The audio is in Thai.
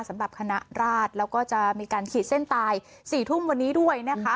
สำหรับคณะราชแล้วก็จะมีการขีดเส้นตาย๔ทุ่มวันนี้ด้วยนะคะ